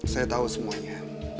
saya tahu semuanya